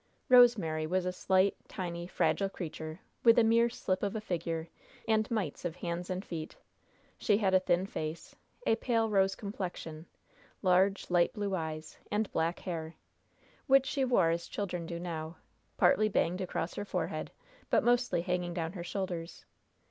Rosemary was a slight, tiny, fragile creature, with a mere slip of a figure, and mites of hands and feet. She had a thin face, a pale rose complexion, large, light blue eyes, and black hair, which she wore as children do now partly banged across her forehead, but mostly hanging down her shoulders.